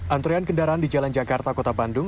antrean kendaraan di jalan jakarta kota bandung